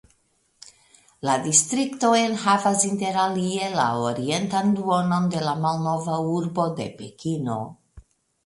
La distrikto enhavas interalie la orientan duonon de la malnova urbo de Pekino.